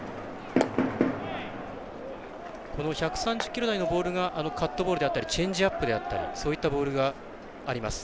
１３０キロ台のボールがカットボールであったりチェンジアップであったりそういったボールがあります。